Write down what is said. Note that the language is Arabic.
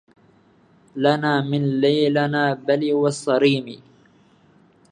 لنا من ليلنا بلِوى الصريمِ